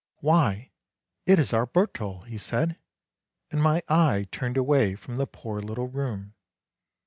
' Why, it is our Bertel! ' he said. And my eye turned away from the poor little room.